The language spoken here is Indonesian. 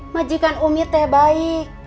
majikan umi teh baik